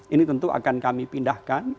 ini tentu akan kami pindahkan